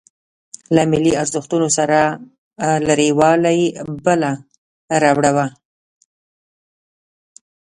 له ملي ارزښتونو سره لريوالۍ بله ربړه وه.